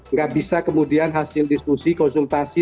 nggak bisa kemudian hasil diskusi konsultasi